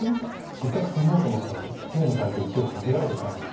せっかく攻めようと思ったのに手を抜かれて地を稼がれてしまいましたね。